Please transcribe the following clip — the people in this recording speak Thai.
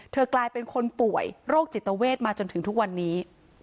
กลายเป็นคนป่วยโรคจิตเวทมาจนถึงทุกวันนี้